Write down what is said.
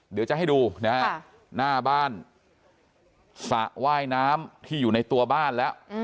เดี๋ยวจะให้ดูนะฮะหน้าบ้านสระว่ายน้ำที่อยู่ในตัวบ้านแล้ว